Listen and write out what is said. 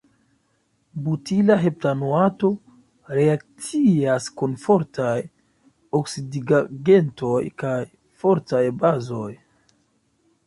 Butila heptanoato reakcias kun fortaj oksidigagentoj kaj fortaj bazoj.